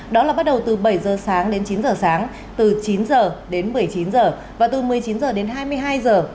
đó là bắt đầu từ bảy giờ sáng đến chín giờ sáng từ chín giờ đến một mươi chín giờ và từ một mươi chín giờ đến hai mươi hai giờ